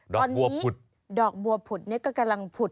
ดอกบัวผุดตอนนี้ดอกบัวผุดก็กำลังผุด